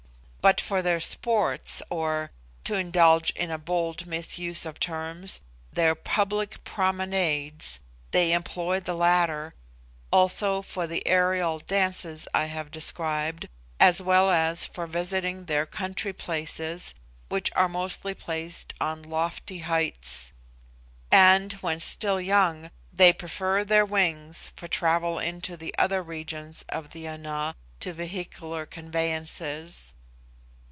But for their sports or (to indulge in a bold misuse of terms) their public 'promenades,' they employ the latter, also for the aerial dances I have described, as well as for visiting their country places, which are mostly placed on lofty heights; and, when still young, they prefer their wings for travel into the other regions of the Ana, to vehicular conveyances.